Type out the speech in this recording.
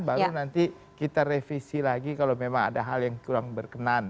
baru nanti kita revisi lagi kalau memang ada hal yang kurang berkenan